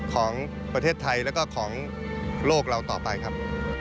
ของประเทศไทยแล้วก็ของโลกเราต่อไปครับ